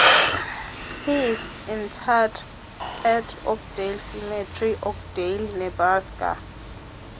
He is interred at Oakdale Cemetery, Oakdale, Nebraska.